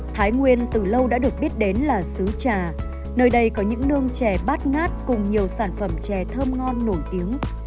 thái nguyên từ lâu đã được biết đến là xứ trà nơi đây có những nương chè bát ngát cùng nhiều sản phẩm chè thơm ngon nổi tiếng